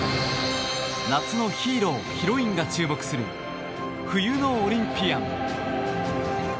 夏のヒーロー、ヒロインが注目する、冬のオリンピアン。